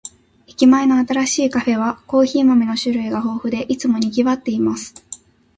駅前の新しいカフェは、コーヒー豆の種類が豊富で、いつも賑わっています。